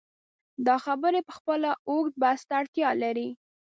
دا خبرې پخپله اوږد بحث ته اړتیا لري.